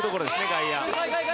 外野。